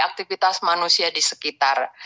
aktivitas manusia di sekitar